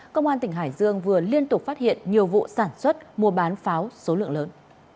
công an tỉnh hải dương vừa liên tục phát hiện nhiều vụ sản xuất mua bán pháo số lượng lớn